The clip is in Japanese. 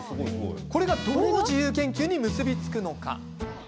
これが、どう自由研究に結びつくのか。